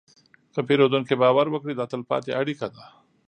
که پیرودونکی باور وکړي، دا تلپاتې اړیکه ده.